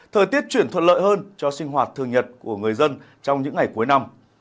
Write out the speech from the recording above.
thời tiết chuyển thuận lợi hơn cho sinh hoạt thường nhật của người dân trong những ngày cuối năm